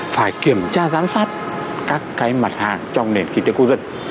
phải kiểm tra giám sát các cái mặt hàng trong nền kinh tế cư dân